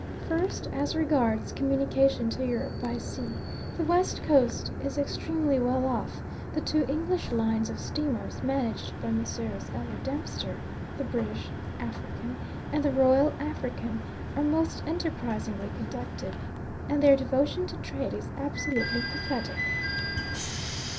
First, as regards communication to Europe by sea, the West Coast is extremely well off, the two English lines of steamers managed by Messrs. Elder Dempster, the British African, and the Royal African, are most enterprisingly conducted, and their devotion to trade is absolutely pathetic.